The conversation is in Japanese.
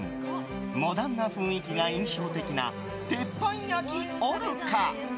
モダンな雰囲気が印象的な鉄板焼ＯＲＣＡ。